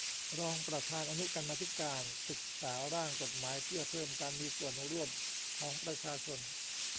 รองประธานอนุกรรมาธิการศึกษาร่างกฎหมายเพื่อเพิ่มการมีส่วนร่วมของประชาชน